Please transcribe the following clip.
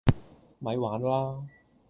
咪玩啦